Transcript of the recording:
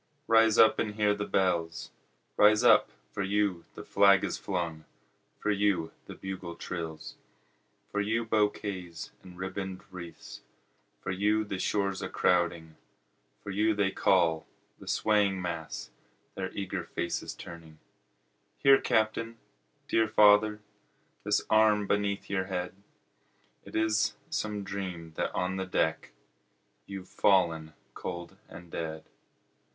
rise up and hear the bells; Rise up for you the flag is flung for you the bugle trills, For you bouquets and ribbon'd wreaths for you the shores a crowding, For you they call, the swaying mass, their eager faces turning; Here Captain! dear father! The arm beneath your head! It is some dream that on the deck, You've fallen cold and dead.